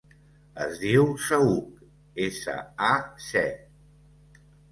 Es diu Saüc: essa, a, ce.